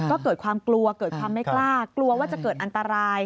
ก็เกิดความกลัวเกิดความไม่กล้ากลัวว่าจะเกิดอันตราย